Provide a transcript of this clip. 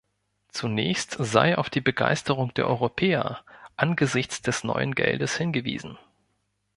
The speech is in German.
Zunächst sei auf die Begeisterung der Europäer angesichts des neuen Geldes hingewiesen.